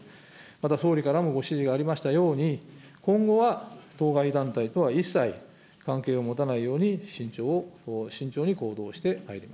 また総理からもご指示がありましたように、今後は、当該団体とは一切関係を持たないように慎重に行動をしてまいり